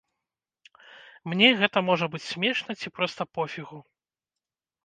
Мне гэта можа быць смешна ці проста пофігу.